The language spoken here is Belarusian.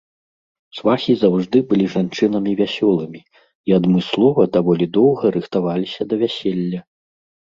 Свахі заўжды былі жанчынамі вясёлымі і адмыслова даволі доўга рыхтаваліся да вяселля.